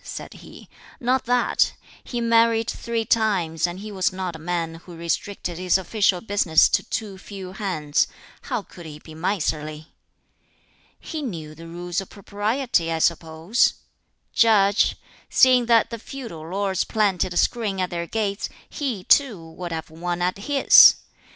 said he; "not that: he married three rimes, and he was not a man who restricted his official business to too few hands how could he be miserly?" "He knew the Rules of Propriety, I suppose?" "Judge: Seeing that the feudal lords planted a screen at their gates, he too would have one at his!